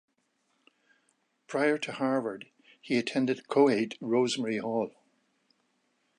Prior to Harvard, he attended Choate Rosemary Hall.